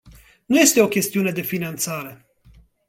Nu este o chestiune de finanțare.